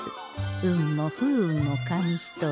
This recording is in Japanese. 運も不運も紙一重。